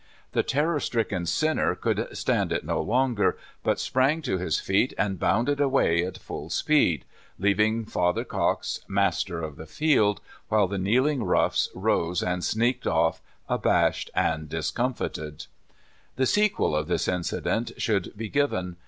The terror stricken sinner could stand it no longer, but sp7 ang 84 Father Cox. to his feet, and bounded away at full speed, leaving Father Cox master of the field, while the kneeling roughs rose and sneaked off abashed and discom fited The sequel of this incident should be given.